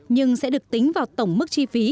nhưng sẽ được tính vào tổng mức chi phí